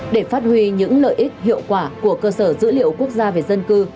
để phát huy những lợi ích hiệu quả của cơ sở dữ liệu quốc gia về dân cư